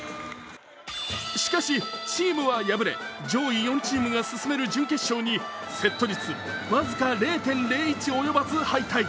しかし、チームは敗れ、上位４チームが進める準決勝にセット率僅か０．０１及ばず敗退。